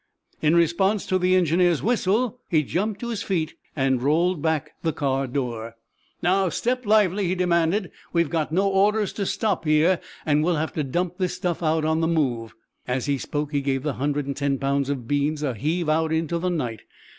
In response to the engineer's whistle he jumped to his feet and rolled back the car door. "Now step lively!" he demanded. "We've got no orders to stop here and we'll have to dump this stuff out on the move!" As he spoke he gave the hundred and ten pounds of beans a heave out into the night.